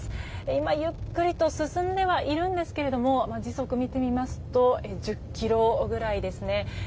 今、ゆっくりと進んではいるんですが時速を見てみますと１０キロぐらいですね。